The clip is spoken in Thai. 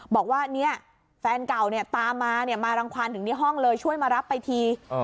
บอกว่าแฟนเก่าตามมามารังคาญถึงห้องเลยช่วยมารับไปที